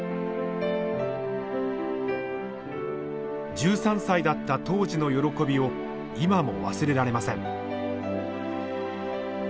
１３歳だった当時の喜びを今も忘れられません。